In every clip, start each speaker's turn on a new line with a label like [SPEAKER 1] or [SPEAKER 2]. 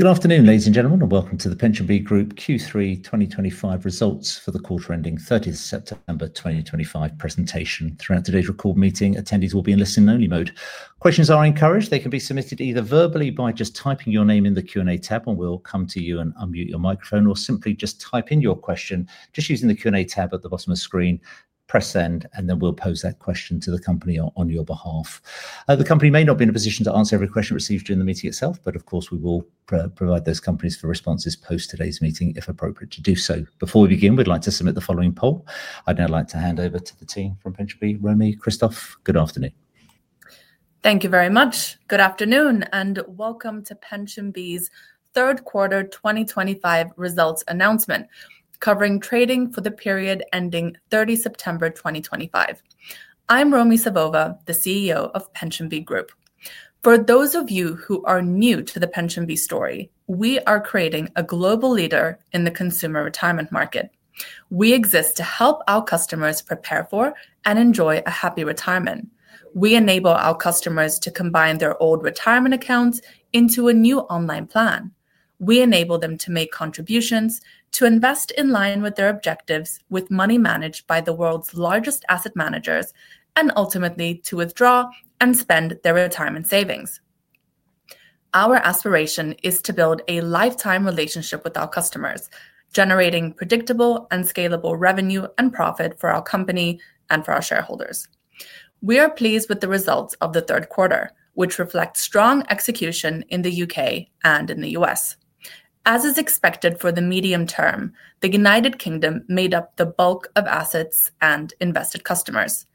[SPEAKER 1] Good afternoon, ladies and gentlemen, and welcome to the PensionBee Group Q3 2025 results for the quarter ending 30th September 2025 presentation. Throughout today's recorded meeting, attendees will be in listening-only mode. Questions are encouraged. They can be submitted either verbally by just typing your name in the Q&A tab, and we'll come to you and unmute your microphone, or simply just type in your question using the Q&A tab at the bottom of the screen. Press send, and then we'll pose that question to the company on your behalf. The company may not be in a position to answer every question received during the meeting itself, but of course we will provide those questions for responses post today's meeting if appropriate to do so. Before we begin, we'd like to submit the following poll. I'd now like to hand over to the team from PensionBee. Romi, Christoph, good afternoon.
[SPEAKER 2] Thank you very much. Good afternoon and welcome to PensionBee's third quarter 2025 results announcement, covering trading for the period ending 30 September, 2025. I'm Romi Savova, the CEO of PensionBee Group. For those of you who are new to the PensionBee story, we are creating a global leader in the consumer retirement market. We exist to help our customers prepare for and enjoy a happy retirement. We enable our customers to combine their old retirement accounts into a new online plan. We enable them to make contributions, to invest in line with their objectives, with money managed by the world's largest asset managers, and ultimately to withdraw and spend their retirement savings. Our aspiration is to build a lifetime relationship with our customers, generating predictable and scalable revenue and profit for our company and for our shareholders. We are pleased with the results of the third quarter, which reflect strong execution in the UK and in the U.S. As is expected for the medium term, the United Kingdom made up the bulk of assets and invested customers.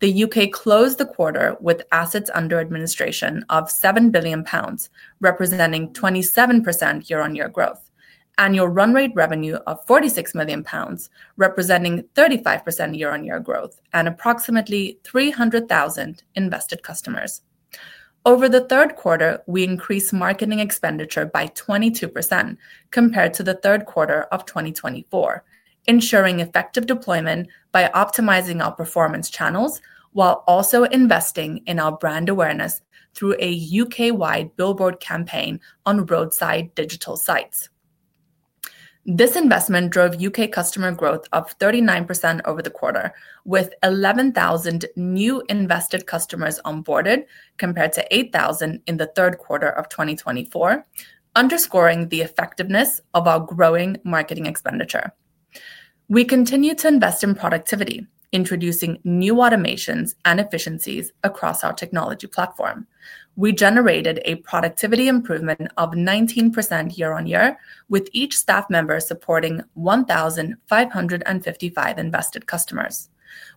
[SPEAKER 2] The U.K. closed the quarter with assets under administration of 7 billion pounds, representing 27% year-on-year growth, annual run-rate revenue of 46 million pounds, representing 35% year-on-year growth, and approximately 300,000 invested customers. Over the third quarter, we increased marketing expenditure by 22% compared to the third quarter of 2024, ensuring effective deployment by optimizing our performance channels while also investing in our brand awareness through a U.K.-wide billboard campaign on roadside digital sites. This investment drove U.K. customer growth up 39% over the quarter, with 11,000 new invested customers onboarded compared to 8,000 in the third quarter of 2024, underscoring the effectiveness of our growing marketing expenditure. We continue to invest in productivity, introducing new automations and efficiencies across our technology platform. We generated a productivity improvement of 19% year-on-year, with each staff member supporting 1,555 invested customers.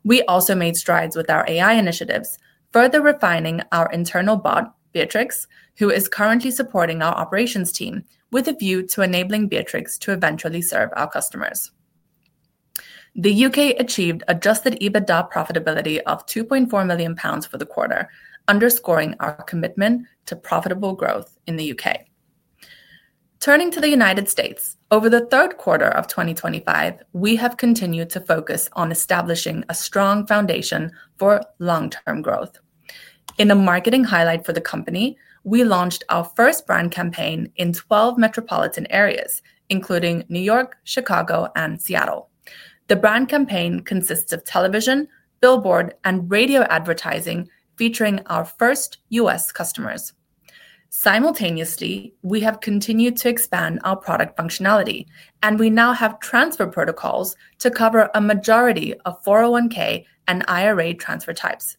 [SPEAKER 2] We also made strides with our AI initiatives, further refining our internal bot, Beatrix, who is currently supporting our operations team, with a view to enabling Beatrix to eventually serve our customers. The U.K. achieved adjusted EBITDA profitability of 2.4 million pounds for the quarter, underscoring our commitment to profitable growth in the U.K. Turning to the United States, over the third quarter of 2025, we have continued to focus on establishing a strong foundation for long-term growth. In a marketing highlight for the company, we launched our first brand campaign in 12 metropolitan areas, including New York, Chicago, and Seattle. The brand campaign consists of television, billboard, and radio advertising featuring our first U.S. customers. Simultaneously, we have continued to expand our product functionality, and we now have transfer protocols to cover a majority of 401(k) and IRA transfer types.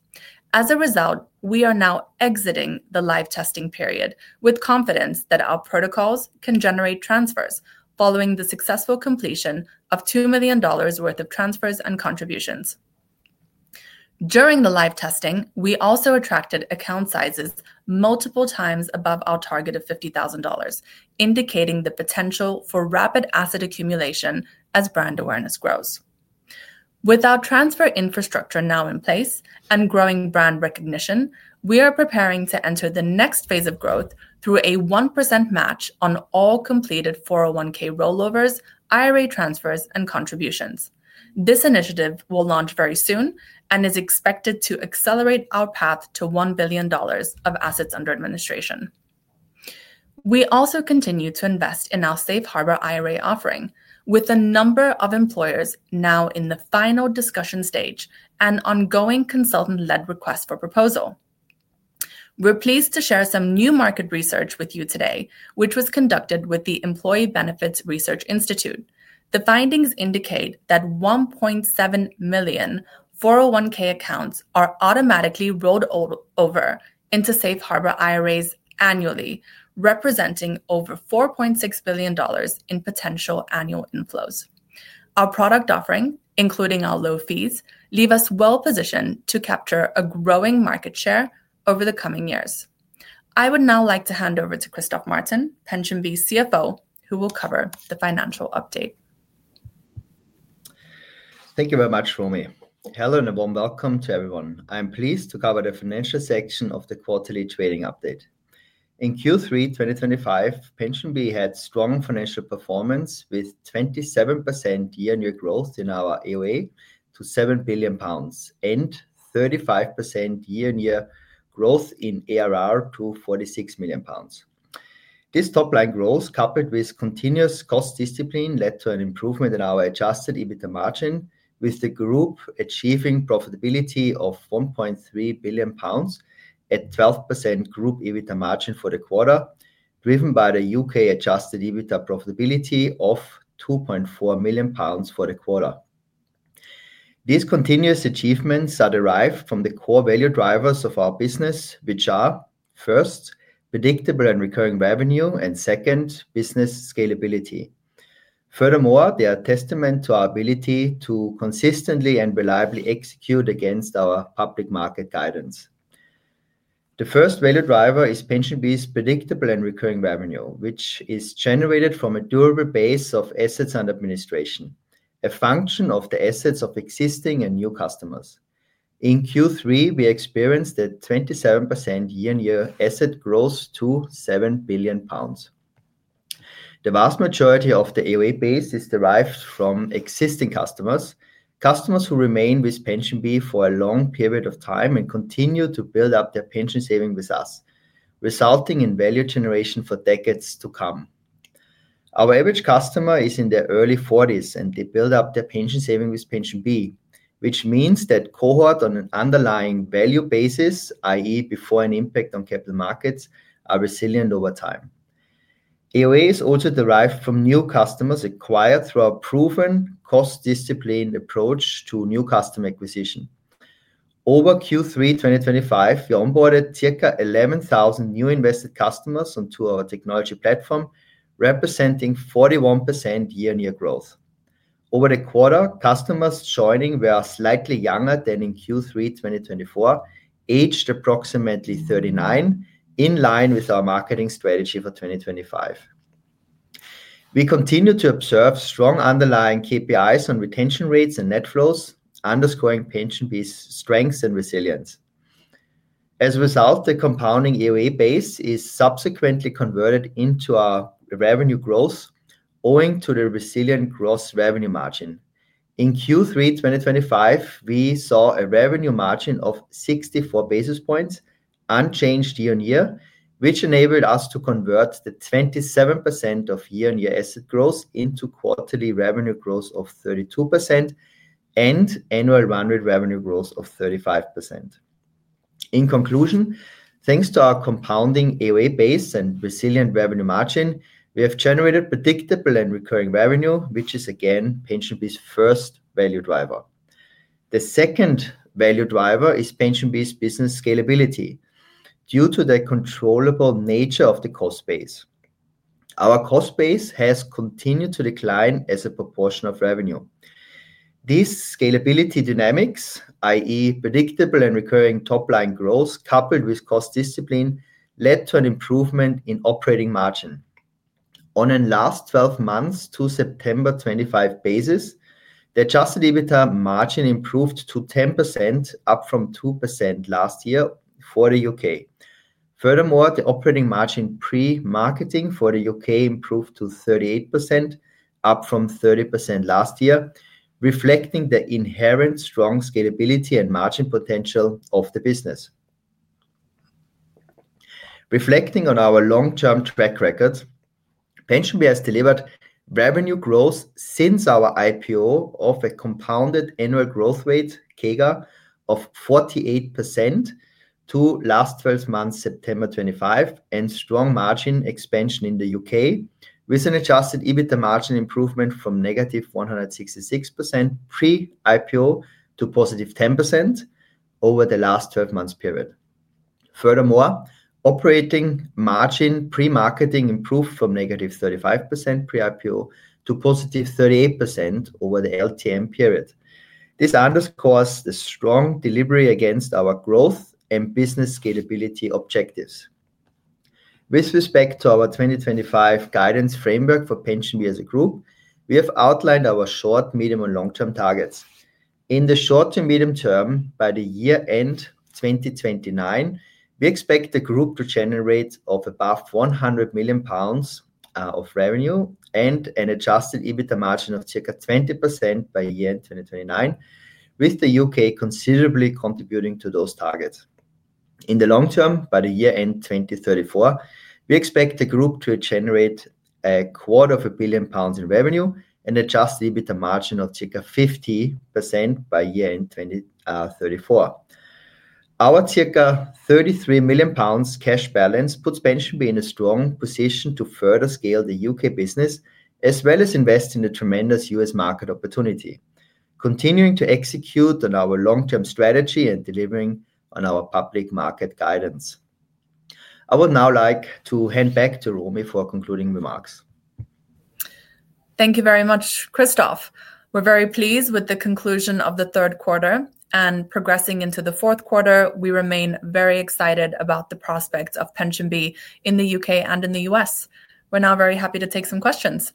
[SPEAKER 2] As a result, we are now exiting the live testing period with confidence that our protocols can generate transfers following the successful completion of $2 million worth of transfers and contributions. During the live testing, we also attracted account sizes multiple times above our target of $50,000, indicating the potential for rapid asset accumulation as brand awareness grows. With our transfer infrastructure now in place and growing brand recognition, we are preparing to enter the next phase of growth through a 1% match on all completed 401(k) rollovers, IRA transfers, and contributions. This initiative will launch very soon and is expected to accelerate our path to $1 billion of assets under administration. We also continue to invest in our Safe Harbor IRA offering, with a number of employers now in the final discussion stage and ongoing consultant-led requests for proposal. We're pleased to share some new market research with you today, which was conducted with the Employee Benefits Research Institute. The findings indicate that 1.7 million 401(k) accounts are automatically rolled over into Safe Harbor IRAs annually, representing over $4.6 billion in potential annual inflows. Our product offering, including our low fees, leaves us well positioned to capture a growing market share over the coming years. I would now like to hand over to Christoph Martin, PensionBee CFO, who will cover the financial update.
[SPEAKER 3] Thank you very much, Romi. Hello and welcome to everyone. I am pleased to cover the financial section of the quarterly trading update. In Q3 2025, PensionBee had strong financial performance with 27% year-on-year growth in our AUA to 7 billion pounds and 35% year-on-year growth in ARR to 46 million pounds. This top-line growth, coupled with continuous cost discipline, led to an improvement in our adjusted EBITDA margin, with the group achieving profitability of 1.3 million pounds at 12% group EBITDA margin for the quarter, driven by the U.K. adjusted EBITDA profitability of 2.4 million pounds for the quarter. These continuous achievements are derived from the core value drivers of our business, which are first predictable and recurring revenue, and second business scalability. Furthermore, they are a testament to our ability to consistently and reliably execute against our public market guidance. The first value driver is PensionBee's predictable and recurring revenue, which is generated from a durable base of assets under administration, a function of the assets of existing and new customers. In Q3, we experienced a 27% year-on-year asset growth to 7 billion pounds. The vast majority of the AUA base is derived from existing customers, customers who remain with PensionBee for a long period of time and continue to build up their pension savings with us, resulting in value generation for decades to come. Our average customer is in their early 40s and they build up their pension savings with PensionBee, which means that cohorts on an underlying value basis, i.e. before an impact on capital markets, are resilient over time. AUA is also derived from new customers acquired through our proven cost-disciplined approach to new customer acquisition. Over Q3 2025, we onboarded circa 11,000 new invested customers onto our technology platform, representing 41% year-on-year growth. Over the quarter, customers joining were slightly younger than in Q3 2024, aged approximately 39, in line with our marketing strategy for 2025. We continue to observe strong underlying KPIs on retention rates and net flows, underscoring PensionBee's strengths and resilience. As a result, the compounding AUA base is subsequently converted into our revenue growth, owing to the resilient gross revenue margin. In Q3 2025, we saw a revenue margin of 64 basis points, unchanged year-on-year, which enabled us to convert the 27% of year-on-year asset growth into quarterly revenue growth of 32% and annual run-rate revenue growth of 35%. In conclusion, thanks to our compounding AUA base and resilient revenue margin, we have generated predictable and recurring revenue, which is again PensionBee's first value driver. The second value driver is PensionBee's business scalability due to the controllable nature of the cost base. Our cost base has continued to decline as a proportion of revenue. These scalability dynamics, i.e., predictable and recurring top-line growth coupled with cost discipline, led to an improvement in operating margin. On a last 12 months to September 2025 basis, the adjusted EBITDA margin improved to 10%, up from 2% last year for the U..K. Furthermore, the operating margin pre-marketing for the U.K. improved to 38%, up from 30% last year, reflecting the inherent strong scalability and margin potential of the business. Reflecting on our long-term track record, PensionBee has delivered revenue growth since our IPO of a compounded annual growth rate, CAGR, of 48% to last 12 months, September 2025, and strong margin expansion in the U.K., with an adjusted EBITDA margin improvement from -166% pre-IPO to +10% over the last 12 months period. Furthermore, operating margin pre-marketing improved from -35% pre-IPO to +38% over the LTM period. This underscores the strong delivery against our growth and business scalability objectives. With respect to our 2025 guidance framework for PensionBee as a group, we have outlined our short, medium, and long-term targets. In the short to medium term, by the year-end 2029, we expect the group to generate above 100 million pounds of revenue and an adjusted EBITDA margin of circa 20% by year-end 2029, with the UK considerably contributing to those targets. In the long term, by the year-end 2034, we expect the group to generate a quarter of a billion pounds in revenue and adjust the EBITDA margin of circa 50% by year-end 2034. Our circa 33 million pounds cash balance puts PensionBee in a strong position to further scale the U.K. business, as well as invest in the tremendous U.S. market opportunity, continuing to execute on our long-term strategy and delivering on our public market guidance. I would now like to hand back to Romi for concluding remarks.
[SPEAKER 2] Thank you very much, Christoph. We're very pleased with the conclusion of the third quarter and progressing into the fourth quarter. We remain very excited about the prospects of PensionBee Group in the U.K. and in the U.S. We're now very happy to take some questions.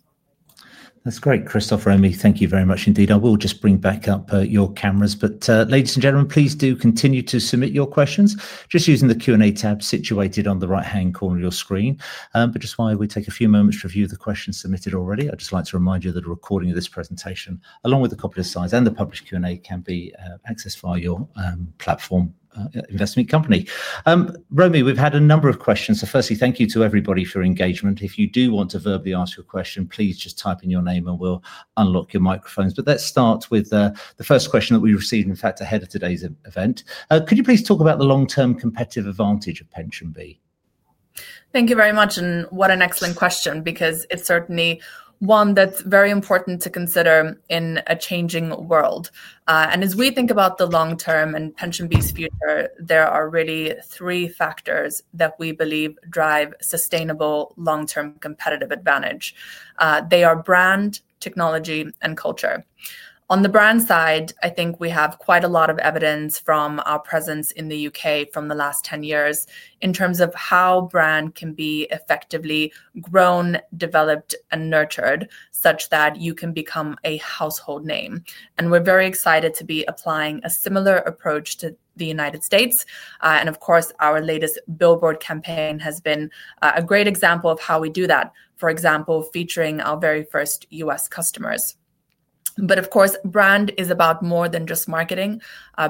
[SPEAKER 1] That's great, Christoph. Romi, thank you very much indeed. I will just bring back up your cameras, but ladies and gentlemen, please do continue to submit your questions using the Q&A tab situated on the right-hand corner of your screen. While we take a few moments to review the questions submitted already, I'd just like to remind you that a recording of this presentation, along with a copy of the slides and the published Q&A, can be accessed via your platform, investment company. Romi, we've had a number of questions. Firstly, thank you to everybody for your engagement. If you do want to verbally ask your question, please just type in your name and we'll unlock your microphones. Let's start with the first question that we received, in fact, ahead of today's event. Could you please talk about the long-term competitive advantage of PensionBee?
[SPEAKER 2] Thank you very much, and what an excellent question, because it's certainly one that's very important to consider in a changing world. As we think about the long term and PensionBee's future, there are really three factors that we believe drive sustainable long-term competitive advantage. They are brand, technology, and culture. On the brand side, I think we have quite a lot of evidence from our presence in the U.K. from the last 10 years in terms of how brand can be effectively grown, developed, and nurtured such that you can become a household name. We're very excited to be applying a similar approach to the United States. Of course, our latest billboard campaign has been a great example of how we do that, for example, featuring our very first U.S. customers. But of course, brand is about more than just marketing.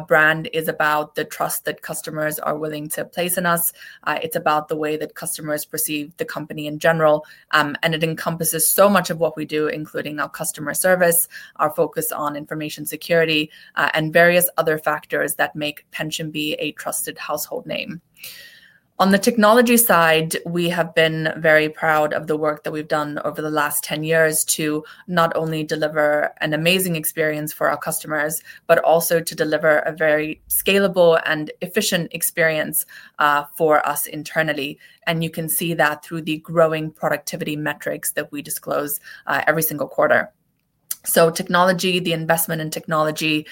[SPEAKER 2] Brand is about the trust that customers are willing to place in us. It's about the way that customers perceive the company in general. It encompasses so much of what we do, including our customer service, our focus on information security, and various other factors that make PensionBee a trusted household name. On the technology side, we have been very proud of the work that we've done over the last 10 years to not only deliver an amazing experience for our customers, but also to deliver a very scalable and efficient experience for us internally. You can see that through the growing productivity metrics that we disclose every single quarter. Technology, the investment in technology,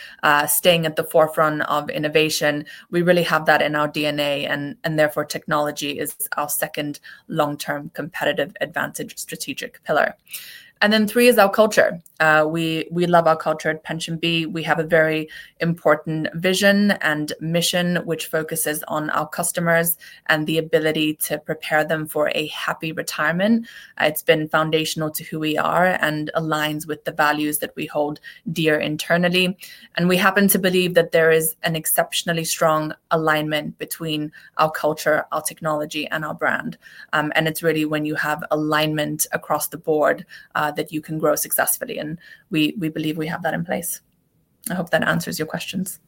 [SPEAKER 2] staying at the forefront of innovation, we really have that in our DNA, and therefore technology is our second long-term competitive advantage strategic pillar. Three is our culture. We love our culture at PensionBee. We have a very important vision and mission which focuses on our customers and the ability to prepare them for a happy retirement. It's been foundational to who we are and aligns with the values that we hold dear internally. We happen to believe that there is an exceptionally strong alignment between our culture, our technology, and our brand. It's really when you have alignment across the board that you can grow successfully. We believe we have that in place. I hope that answers your questions.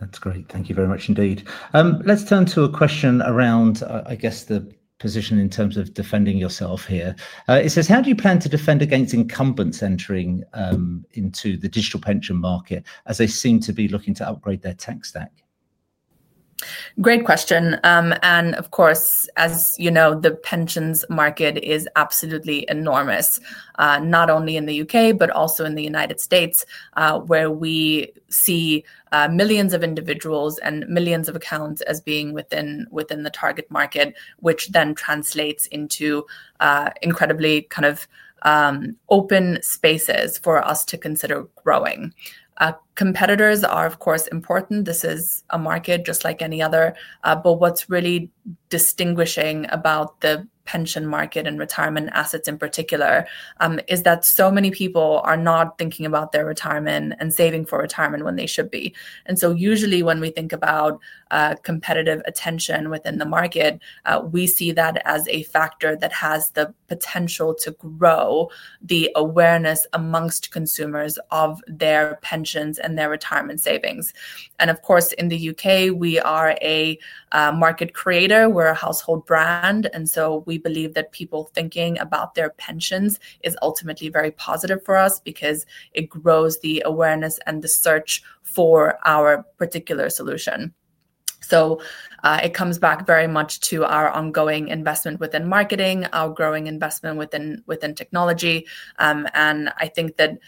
[SPEAKER 1] That's great. Thank you very much indeed. Let's turn to a question around the position in terms of defending yourself here. It says, how do you plan to defend against incumbents entering into the digital pension market as they seem to be looking to upgrade their tech stack?
[SPEAKER 2] Great question. Of course, as you know, the pensions market is absolutely enormous, not only in the U.K., but also in the U.S., where we see millions of individuals and millions of accounts as being within the target market, which then translates into incredibly kind of open spaces for us to consider growing. Competitors are, of course, important. This is a market just like any other. What's really distinguishing about the pension market and retirement assets in particular is that so many people are not thinking about their retirement and saving for retirement when they should be. Usually when we think about competitive attention within the market, we see that as a factor that has the potential to grow the awareness amongst consumers of their pensions and their retirement savings. In the U.K., we are a market creator. We're a household brand. We believe that people thinking about their pensions is ultimately very positive for us because it grows the awareness and the search for our particular solution. It comes back very much to our ongoing investment within marketing, our growing investment within technology. I think that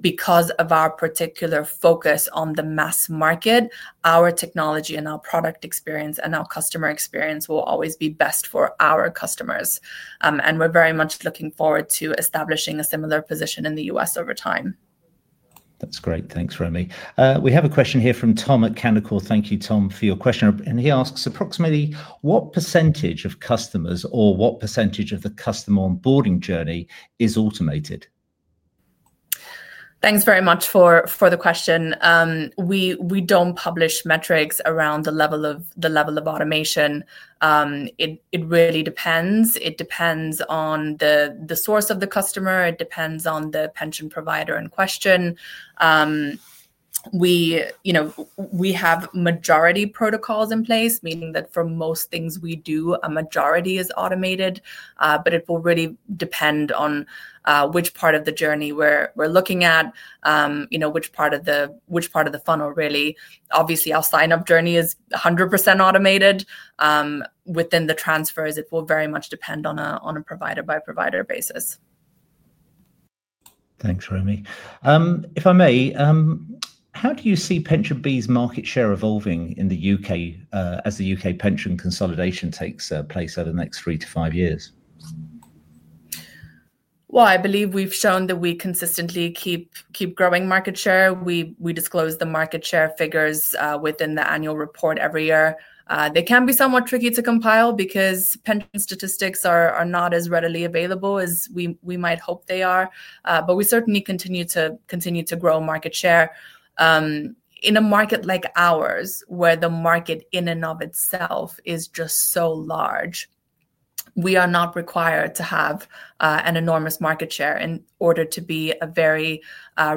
[SPEAKER 2] because of our particular focus on the mass market, our technology and our product experience and our customer experience will always be best for our customers. We're very much looking forward to establishing a similar position in the U.S. over time.
[SPEAKER 1] That's great. Thanks, Romi. We have a question here from Tom at Canaccord. Thank you, Tom, for your question. He asks approximately what % of customers or what % of the customer onboarding journey is automated?
[SPEAKER 2] Thanks very much for the question. We don't publish metrics around the level of automation. It really depends. It depends on the source of the customer. It depends on the pension provider in question. We have majority protocols in place, meaning that for most things we do, a majority is automated. It will really depend on which part of the journey we're looking at, which part of the funnel really. Obviously, our sign-up journey is 100% automated. Within the transfers, it will very much depend on a provider-by-provider basis.
[SPEAKER 1] Thanks, Romi. If I may, how do you see PensionBee's market share evolving in the U.K. as the U.K. pension consolidation takes place over the next three to five years?
[SPEAKER 2] I believe we've shown that we consistently keep growing market share. We disclose the market share figures within the annual report every year. They can be somewhat tricky to compile because pension statistics are not as readily available as we might hope they are. We certainly continue to grow market share. In a market like ours, where the market in and of itself is just so large, we are not required to have an enormous market share in order to be a very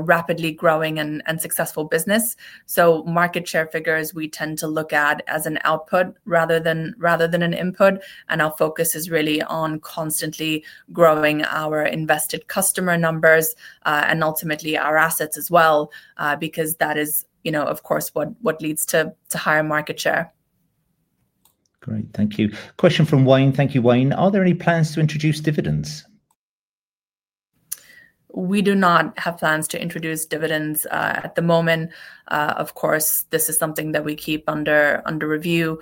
[SPEAKER 2] rapidly growing and successful business. Market share figures we tend to look at as an output rather than an input. Our focus is really on constantly growing our invested customer numbers and ultimately our assets as well, because that is, of course, what leads to higher market share.
[SPEAKER 1] Great. Thank you. Question from Wayne. Thank you, Wayne. Are there any plans to introduce dividends?
[SPEAKER 2] We do not have plans to introduce dividends at the moment. Of course, this is something that we keep under review.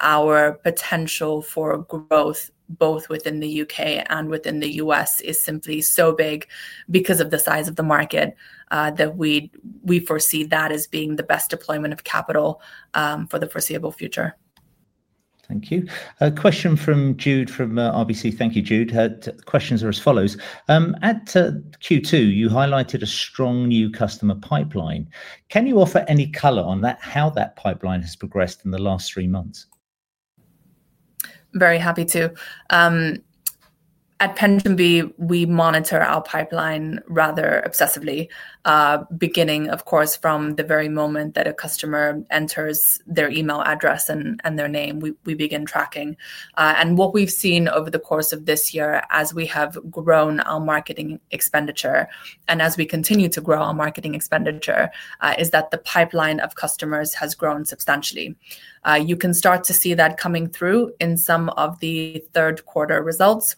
[SPEAKER 2] Our potential for growth, both within the U.K. and within the U.S., is simply so big because of the size of the market that we foresee that as being the best deployment of capital for the foreseeable future.
[SPEAKER 1] Thank you. A question from Jude from RBC. Thank you, Jude. Questions are as follows. At Q2, you highlighted a strong new customer pipeline. Can you offer any color on how that pipeline has progressed in the last three months?
[SPEAKER 2] Very happy to. At PensionBee, we monitor our pipeline rather obsessively, beginning, of course, from the very moment that a customer enters their email address and their name. We begin tracking. What we've seen over the course of this year, as we have grown our marketing expenditure and as we continue to grow our marketing expenditure, is that the pipeline of customers has grown substantially. You can start to see that coming through in some of the third quarter results.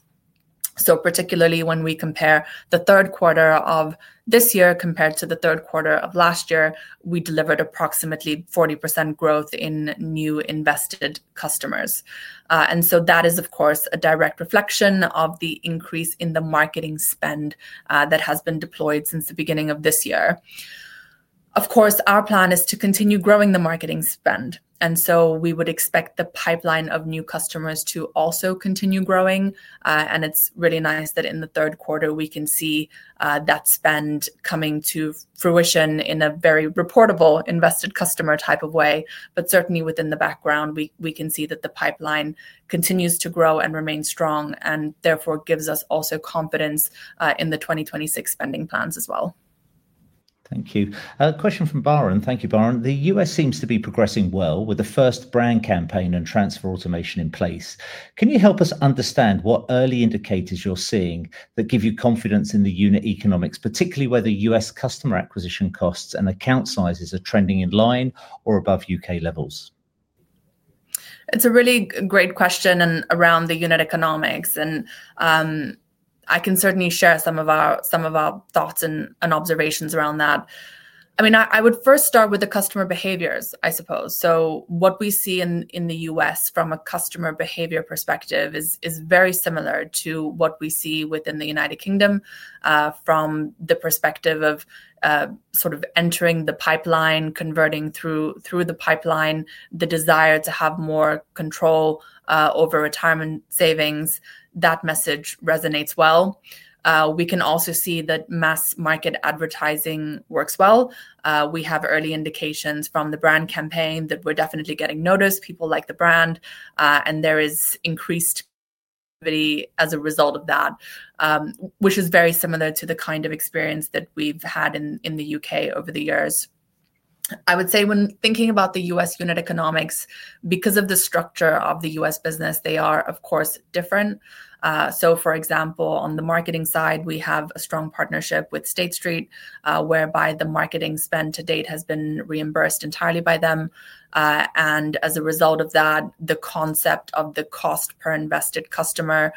[SPEAKER 2] Particularly when we compare the third quarter of this year to the third quarter of last year, we delivered approximately 40% growth in new invested customers. That is, of course, a direct reflection of the increase in the marketing spend that has been deployed since the beginning of this year. Our plan is to continue growing the marketing spend. We would expect the pipeline of new customers to also continue growing. It's really nice that in the third quarter, we can see that spend coming to fruition in a very reportable invested customer type of way. Certainly within the background, we can see that the pipeline continues to grow and remain strong and therefore gives us also confidence in the 2026 spending plans as well.
[SPEAKER 1] Thank you. A question from Barron. Thank you, Barron. The U.S. seems to be progressing well with the first brand campaign and transfer automations in place. Can you help us understand what early indicators you're seeing that give you confidence in the unit economics, particularly whether U.S. customer acquisition costs and account sizes are trending in line or above U.K. levels?
[SPEAKER 2] It's a really great question around the unit economics. I can certainly share some of our thoughts and observations around that. I would first start with the customer behaviors, I suppose. What we see in the U.S. from a customer behavior perspective is very similar to what we see within the United Kingdom from the perspective of entering the pipeline, converting through the pipeline, the desire to have more control over retirement savings. That message resonates well. We can also see that mass market advertising works well. We have early indications from the brand campaign that we're definitely getting noticed. People like the brand, and there is increased activity as a result of that, which is very similar to the kind of experience that we've had in the U.K. over the years. When thinking about the U.S. unit economics, because of the structure of the U.S. business, they are, of course, different. For example, on the marketing side, we have a strong partnership with State Street, whereby the marketing spend to date has been reimbursed entirely by them. As a result of that, the concept of the cost per invested customer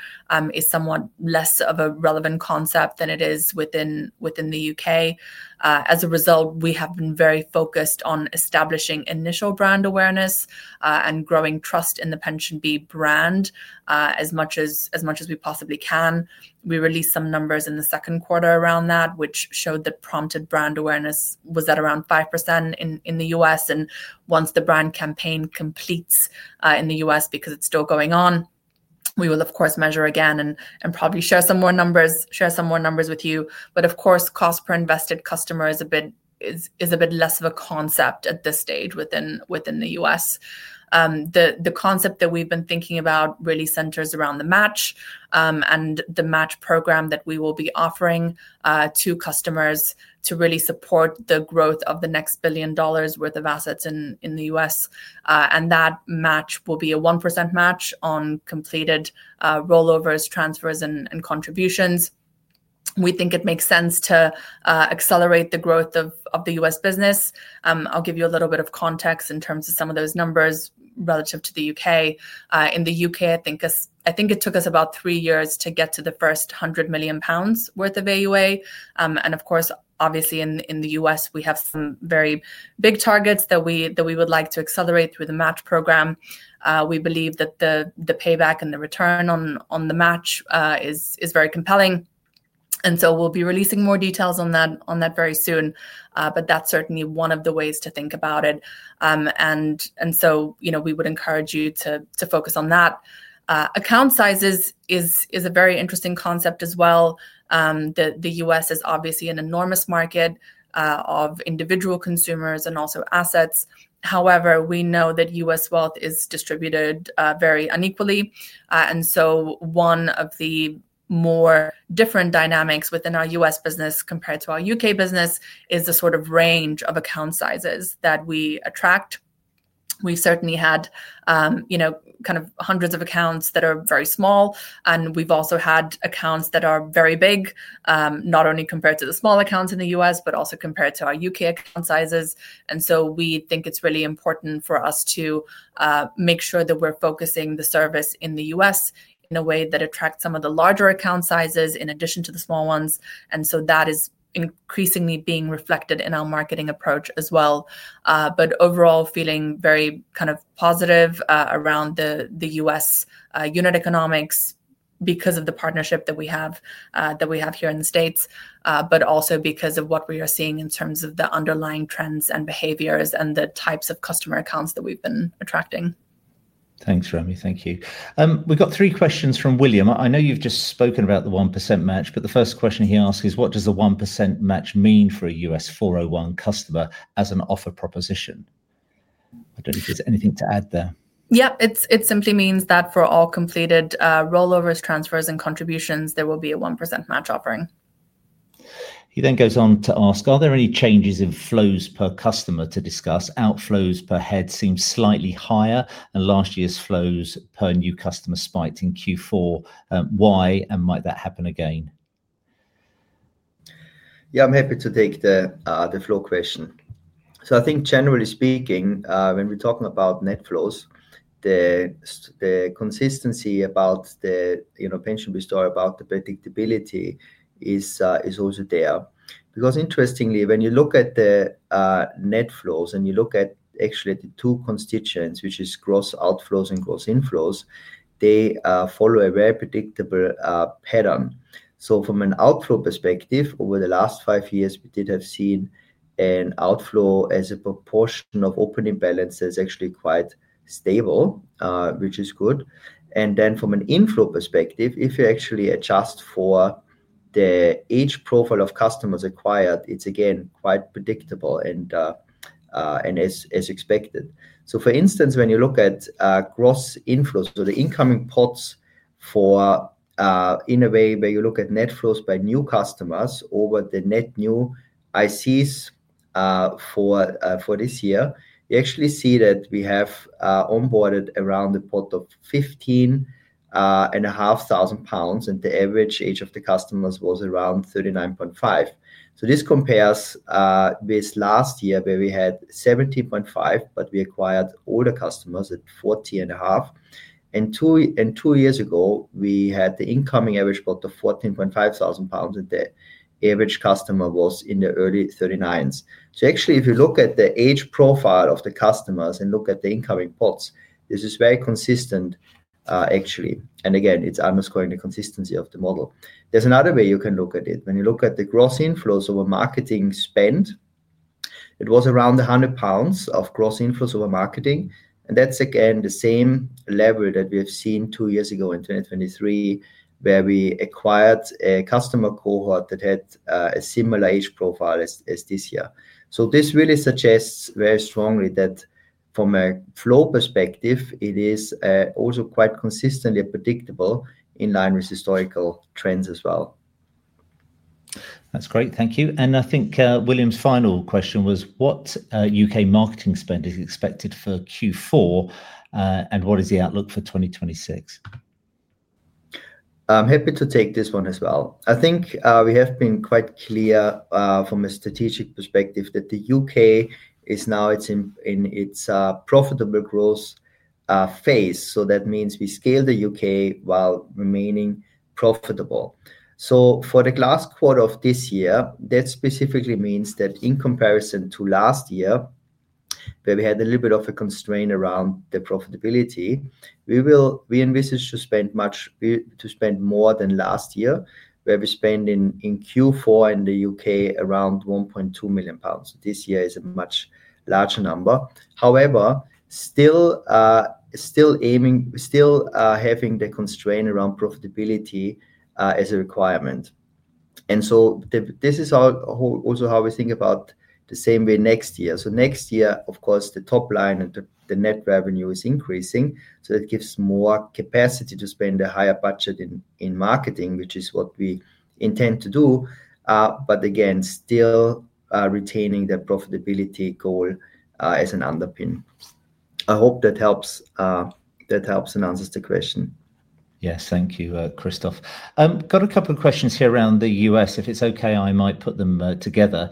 [SPEAKER 2] is somewhat less of a relevant concept than it is within the U.K. As a result, we have been very focused on establishing initial brand awareness and growing trust in the PensionBee brand as much as we possibly can. We released some numbers in the second quarter around that, which showed that prompted brand awareness was at around 5% in the U.S. Once the brand campaign completes in the U.S., because it's still going on, we will, of course, measure again and probably share some more numbers with you. Of course, cost per invested customer is a bit less of a concept at this stage within the U.S. The concept that we've been thinking about really centers around the Match and the Match program that we will be offering to customers to really support the growth of the next billion dollars' worth of assets in the U.S. That Match will be a 1% match on completed rollovers, transfers, and contributions. We think it makes sense to accelerate the growth of the U.S. business. I'll give you a little bit of context in terms of some of those numbers relative to the U.K. In the U.K., I think it took us about three years to get to the first 100 million pounds worth of AUA. Obviously, in the U.S., we have some very big targets that we would like to accelerate through the Match program. We believe that the payback and the return on the Match is very compelling. We'll be releasing more details on that very soon. That's certainly one of the ways to think about it. We would encourage you to focus on that. Account sizes is a very interesting concept as well. The U.S. is obviously an enormous market of individual consumers and also assets. However, we know that U.S. wealth is distributed very unequally. One of the more different dynamics within our U.S. business compared to our U.K. business is the sort of range of account sizes that we attract. We've certainly had hundreds of accounts that are very small. We've also had accounts that are very big, not only compared to the small accounts in the U.S., but also compared to our U.K. account sizes. We think it's really important for us to make sure that we're focusing the service in the U.S. in a way that attracts some of the larger account sizes in addition to the small ones. That is increasingly being reflected in our marketing approach as well. Overall, feeling very positive around the U.S. unit economics because of the partnership that we have here in the States, but also because of what we are seeing in terms of the underlying trends and behaviors and the types of customer accounts that we've been attracting.
[SPEAKER 1] Thanks, Romi. Thank you. We've got three questions from William. I know you've just spoken about the 1% match, but the first question he asks is, what does the 1% match mean for a U.S. 401(k) customer as an offer proposition? I don't know if there's anything to add there.
[SPEAKER 2] It simply means that for all completed rollovers, transfers, and contributions, there will be a 1% Match offering.
[SPEAKER 1] He then goes on to ask, are there any changes in flows per customer to discuss? Outflows per head seem slightly higher, and last year's flows per new customer spiked in Q4. Why and might that happen again?
[SPEAKER 3] Yeah, I'm happy to take the flow question. I think generally speaking, when we're talking about net flows, the consistency about the PensionBee story, about the predictability is also there. Interestingly, when you look at the net flows and you look at actually the two constituents, which are gross outflows and gross inflows, they follow a very predictable pattern. From an outflow perspective, over the last five years, we have seen an outflow as a proportion of opening balances actually quite stable, which is good. From an inflow perspective, if you actually adjust for the age profile of customers acquired, it's again quite predictable and as expected. For instance, when you look at gross inflows, so the incoming pots for, in a way, where you look at net flows by new customers over the net new ICs for this year, you actually see that we have onboarded around a pot of 15,500 pounds, and the average age of the customers was around 39.5. This compares with last year, where we had 17,500, but we acquired older customers at 40.5. Two years ago, we had the incoming average pot of 14,500 pounds, and the average customer was in the early 39s. If you look at the age profile of the customers and look at the incoming pots, this is very consistent, actually. It is underscoring the consistency of the model. There's another way you can look at it. When you look at the gross inflows over marketing spend, it was around 100 pounds of gross inflows over marketing. That's again the same level that we have seen two years ago in 2023, where we acquired a customer cohort that had a similar age profile as this year. This really suggests very strongly that from a flow perspective, it is also quite consistently predictable in line with historical trends as well.
[SPEAKER 1] That's great. Thank you. I think William's final question was, what U.K. marketing spend is expected for Q4 and what is the outlook for 2026?
[SPEAKER 3] I'm happy to take this one as well. I think we have been quite clear from a strategic perspective that the U.K is now in its profitable growth phase. That means we scale the U.K. while remaining profitable. For the last quarter of this year, that specifically means that in comparison to last year, where we had a little bit of a constraint around the profitability, we envisage to spend more than last year, where we spent in Q4 in the U.K. around 1.2 million pounds. This year is a much larger number, however, still having the constraint around profitability as a requirement. This is also how we think about the same way next year. Next year, of course, the top line and the net revenue is increasing. That gives more capacity to spend a higher budget in marketing, which is what we intend to do, again still retaining that profitability goal as an underpin. I hope that helps and answers the question.
[SPEAKER 1] Yes, thank you, Christoph. Got a couple of questions here around the U.S. If it's okay, I might put them together.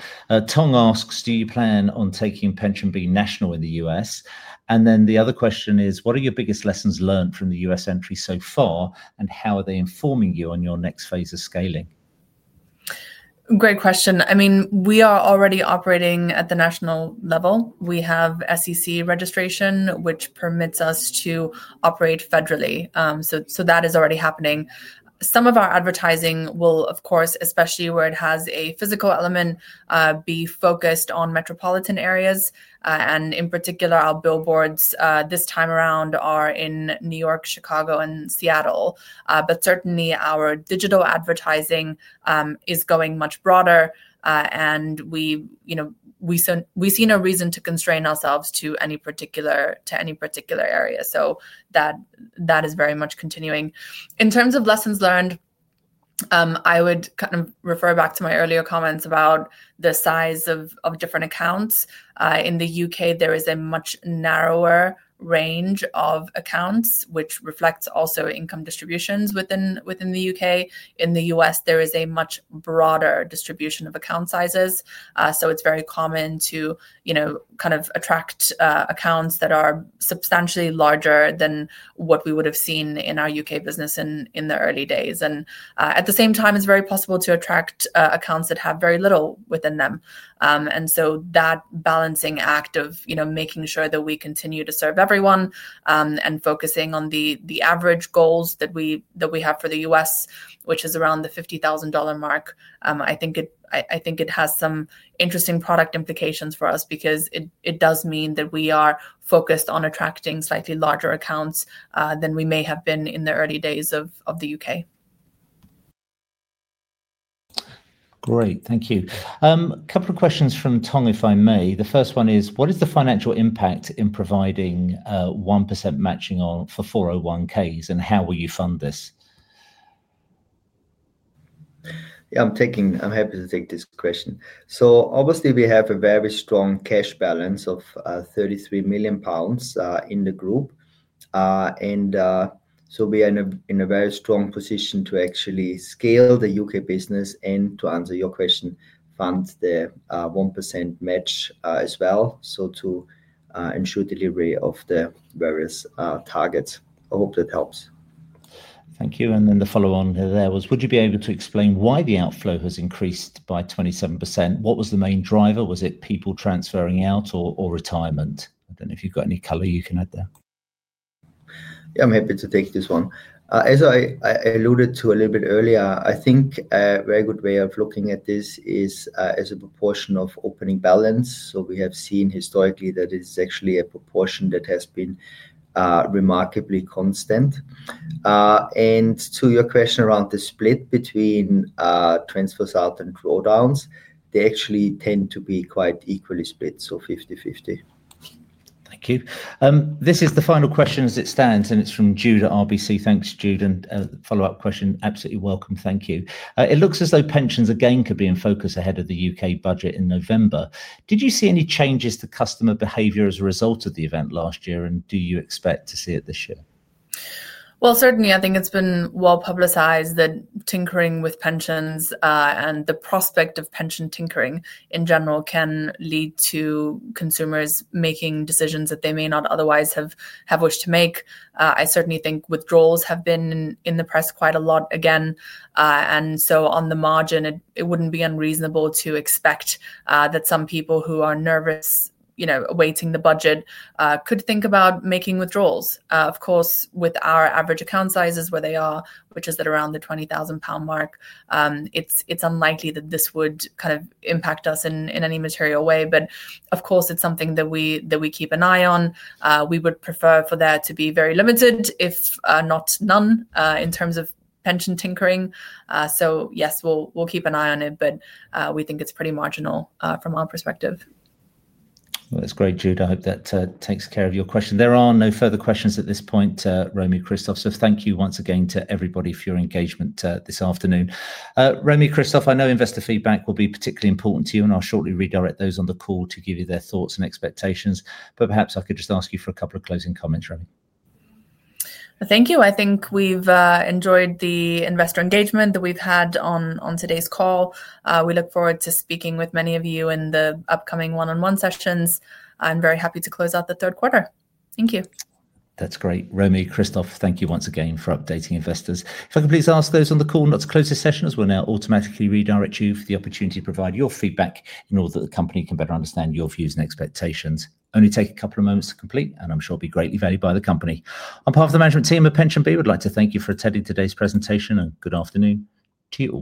[SPEAKER 1] Tom asks, do you plan on taking PensionBee national in the U.S.? The other question is, what are your biggest lessons learned from the U.S. entry so far and how are they informing you on your next phase of scaling?
[SPEAKER 2] Great question. I mean, we are already operating at the national level. We have SEC registration, which permits us to operate federally. That is already happening. Some of our advertising will, of course, especially where it has a physical element, be focused on metropolitan areas. In particular, our billboards this time around are in New York, Chicago, and Seattle. Certainly, our digital advertising is going much broader. We've seen no reason to constrain ourselves to any particular area. That is very much continuing. In terms of lessons learned, I would refer back to my earlier comments about the size of different accounts. In the U.K., there is a much narrower range of accounts, which reflects also income distributions within the U.K. In the U.S., there is a much broader distribution of account sizes. It is very common to attract accounts that are substantially larger than what we would have seen in our U.K. business in the early days. At the same time, it's very possible to attract accounts that have very little within them. That balancing act of making sure that we continue to serve everyone and focusing on the average goals that we have for the U.S., which is around the $50,000 mark, I think it has some interesting product implications for us because it does mean that we are focused on attracting slightly larger accounts than we may have been in the early days of the U.K.
[SPEAKER 1] Great. Thank you. A couple of questions from Tom, if I may. The first one is, what is the financial impact in providing 1% matching for 401(k)s, and how will you fund this?
[SPEAKER 3] I'm happy to take this question. Obviously, we have a very strong cash balance of 33 million pounds in the group, and we are in a very strong position to actually scale the U.K. business and, to answer your question, fund the 1% match as well to ensure delivery of the various targets. I hope that helps.
[SPEAKER 1] Thank you. The follow-on there was, would you be able to explain why the outflow has increased by 27%? What was the main driver? Was it people transferring out or retirement? I don't know if you've got any color you can add there.
[SPEAKER 3] Yeah, I'm happy to take this one. As I alluded to a little bit earlier, I think a very good way of looking at this is as a proportion of opening balance. We have seen historically that it is actually a proportion that has been remarkably constant. To your question around the split between transfers out and drawdowns, they actually tend to be quite equally split, so 50/50.
[SPEAKER 1] Thank you. This is the final question as it stands, and it's from Jude at RBC. Thanks, Jude. A follow-up question. Absolutely welcome. Thank you. It looks as though pensions again could be in focus ahead of the U.K. budget in November. Did you see any changes to customer behavior as a result of the event last year, and do you expect to see it this year?
[SPEAKER 2] I think it's been well publicized that tinkering with pensions and the prospect of pension tinkering in general can lead to consumers making decisions that they may not otherwise have wished to make. I certainly think withdrawals have been in the press quite a lot again. On the margin, it wouldn't be unreasonable to expect that some people who are nervous awaiting the budget could think about making withdrawals. Of course, with our average account sizes where they are, which is at around 20,000 pound, it's unlikely that this would impact us in any material way. Of course, it's something that we keep an eye on. We would prefer for there to be very limited, if not none, in terms of pension tinkering. Yes, we'll keep an eye on it, but we think it's pretty marginal from our perspective.
[SPEAKER 1] That's great, Jude. I hope that takes care of your question. There are no further questions at this point, Romi, Christoph. Thank you once again to everybody for your engagement this afternoon. Romi, Christoph, I know investor feedback will be particularly important to you, and I'll shortly redirect those on the call to give you their thoughts and expectations. Perhaps I could just ask you for a couple of closing comments, Romi.
[SPEAKER 2] Thank you. I think we've enjoyed the investor engagement that we've had on today's call. We look forward to speaking with many of you in the upcoming one-on-one sessions. I'm very happy to close out the third quarter. Thank you.
[SPEAKER 1] That's great. Romi, Christoph, thank you once again for updating investors. If I can please ask those on the call not to close this session, as we'll now automatically redirect you for the opportunity to provide your feedback in order that the company can better understand your views and expectations. It will only take a couple of moments to complete, and I'm sure it'll be greatly valued by the company. On behalf of the management team at PensionBee, we'd like to thank you for attending today's presentation, and good afternoon to you.